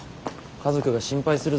家族が心配するぞ。